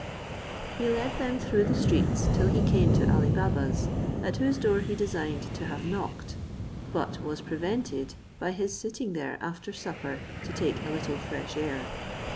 He led them through the streets till he came to Ali Baba's, at whose door he designed to have knocked; but was prevented by his sitting there after supper to take a little fresh air.